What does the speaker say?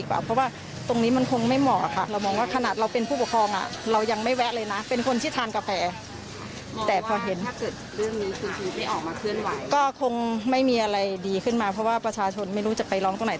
ว่าสำนักงานเขตไม่รู้จะไปล้องตรงไหน